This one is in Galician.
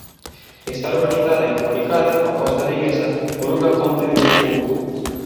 Está urbanizada e comunicada coa costa viguesa por unha ponte de uso público.